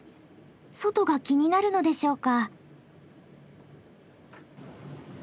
外が気になるのでしょうか？